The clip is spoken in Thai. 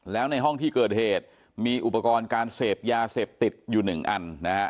แล้วในห้องที่เกิดเหตุมีอุปกรณ์การเสพยาเสพติดอยู่หนึ่งอันนะฮะ